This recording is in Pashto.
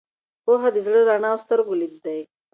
پوهه د زړه رڼا او د سترګو لید دی.